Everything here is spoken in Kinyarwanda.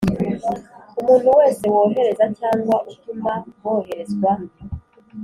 Umuntu wese wohereza cyangwa utuma hoherezwa